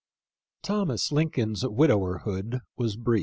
Thomas Lincoln's widowerhood was brief.